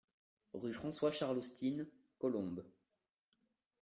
Rue François Charles Ostyn, Colombes